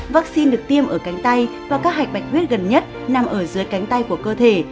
vaccine được tiêm ở cánh tay và các hạch bạch huyết gần nhất nằm ở dưới cánh tay của cơ thể